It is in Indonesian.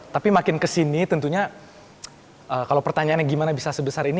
tapi makin kesini tentunya kalau pertanyaannya gimana bisa sebesar ini